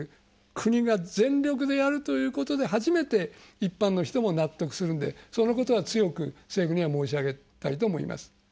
国が全力でやるということで初めて一般の人も納得するんでそのことは強く政府には申し上げたいと思います。